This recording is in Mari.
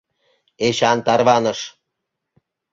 Эчан тарваныш.